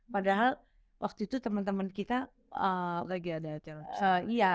padahal waktu itu teman teman kita lagi ada acara